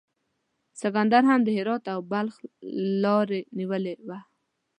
سکندر هم د هرات او بلخ لیاره نیولې وه.